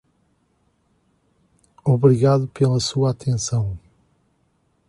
Obrigado pela sua atenção.